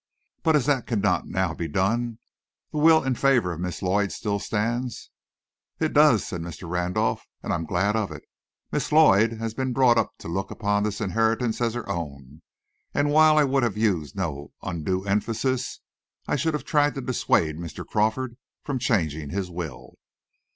"But as that cannot now be done, the will in favor of Miss Lloyd still stands?" "It does," said Mr. Randolph, "and I am glad of it. Miss Lloyd has been brought up to look upon this inheritance as her own, and while I would have used no undue emphasis, I should have tried to dissuade Mr. Crawford from changing his will."